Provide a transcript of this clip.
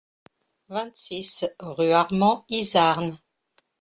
vingt-six rue Armand Izarn